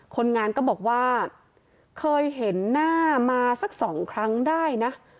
คนงานก็บอกว่าเคยเห็นหน้ามาสักสองครั้งได้นะ